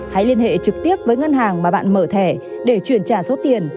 hãy liên hệ trực tiếp với ngân hàng mà bạn mở thẻ để chuyển trả số tiền